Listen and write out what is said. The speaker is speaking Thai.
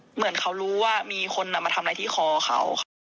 เหมือนเขารู้ว่ามีคนมาทำอะไรที่คอเขาค่ะ